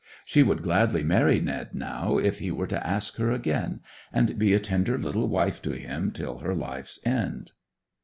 She would gladly marry Ned now if he were to ask her again, and be a tender little wife to him till her life's end.